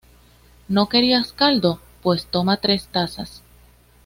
¿No querías caldo? ¡Pues toma tres tazas!